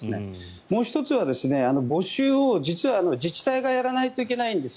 もう１つは募集を実は自治体がやらないといけないんです。